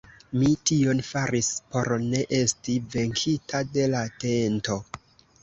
Mi tion faris, por ne esti venkita de la tento.